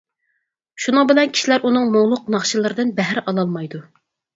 شۇنىڭ بىلەن كىشىلەر ئۇنىڭ مۇڭلۇق ناخشىلىرىدىن بەھر ئالالمايدۇ.